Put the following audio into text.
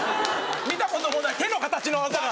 見たこともない手の形のあざが。